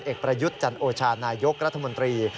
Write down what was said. เอกประยุทธ์จันโอชานายกรัฐมนตรี